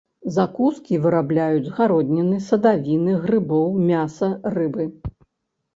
Закускі вырабляюць з гародніны, садавіны, грыбоў, мяса, рыбы.